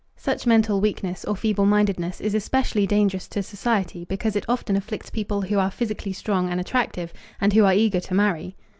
Such mental weakness, or feeble mindedness, is especially dangerous to society because it often afflicts people who are physically strong and attractive, and who are eager to marry.